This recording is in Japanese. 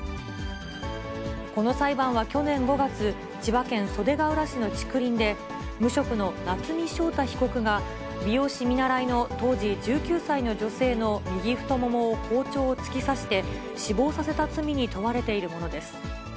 この裁判は去年５月、千葉県袖ケ浦市の竹林で、無職の夏見翔太被告が、美容師見習いの当時１９歳の女性の右太ももに包丁を突き刺して、死亡させた罪に問われているものです。